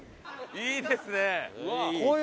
いいですね。